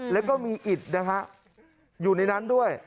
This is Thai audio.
แล้วก็มีอิดนะฮะอยู่ในนั้นด้วย